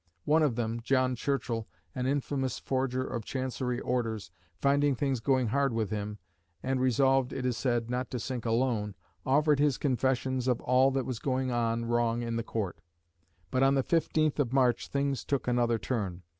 One of them, John Churchill, an infamous forger of Chancery orders, finding things going hard with him, and "resolved," it is said, "not to sink alone," offered his confessions of all that was going on wrong in the Court. But on the 15th of March things took another turn.